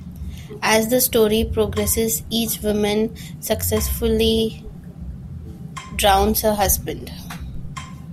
As the story progresses, each woman successively drowns her husband.